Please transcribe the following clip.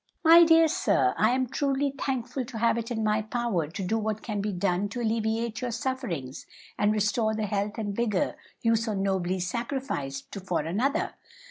"My dear sir, I am truly thankful to have it in my power to do what can be done to alleviate your sufferings and restore the health and vigor you so nobly sacrificed for another.